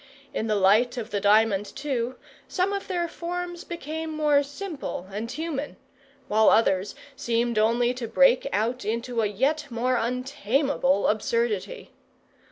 In the light of the diamond, too, some of their forms became more simple and human, while others seemed only to break out into a yet more untamable absurdity.